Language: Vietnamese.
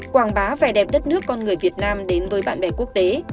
quảng bá vẻ đẹp đất nước con người việt nam đến với bạn bè quốc tế